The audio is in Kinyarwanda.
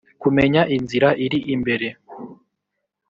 kumenya inzira iri imbere,